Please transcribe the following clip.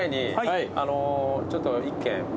ちょっと一軒。